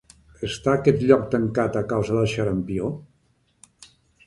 Està aquest lloc tancat a causa del xarampió?